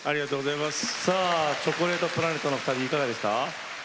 チョコレートプラネットのお二人いかがですか？